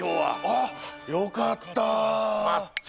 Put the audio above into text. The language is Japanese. あっよかった。